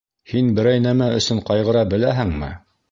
Һин берәй нәмә өсөн ҡайғыра беләһеңме?